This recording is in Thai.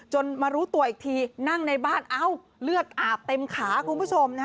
มารู้ตัวอีกทีนั่งในบ้านเอ้าเลือดอาบเต็มขาคุณผู้ชม